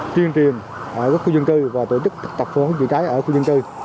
tuyên truyền ở các khu dân cư và tổ chức tập phòng chữa cháy ở khu dân cư